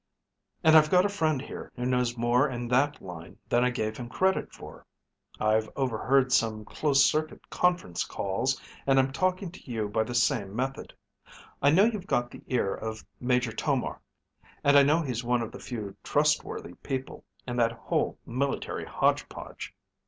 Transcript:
And I've got a friend here who knows more in that line than I gave him credit for. I've overheard some closed circuit conference calls, and I'm talking to you by the same method. I know you've got the ear of Major Tomar and I know he's one of the few trustworthy people in that whole military hodge podge.